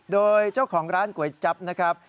โดยเจ้าของร้านก๋วยจั๊บนะครับ